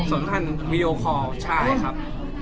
สนทันวิดีโอคอลใช่ครับ